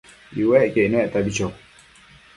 iuecquio icnuectabi cho